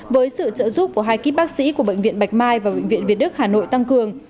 với sự trợ giúp của hai kíp bác sĩ của bệnh viện bạch mai và bệnh viện việt đức hà nội tăng cường